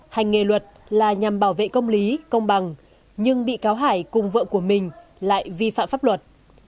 hành nghề luật là nhằm bảo vệ công lý công bằng nhưng bị cáo hải cùng vợ của mình lại vi phạm pháp luật